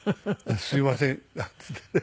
「すいません」なんていってね。